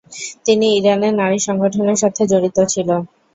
তিনি ইরানের নারী সংগঠনের সাথে জড়িত ছিলেন।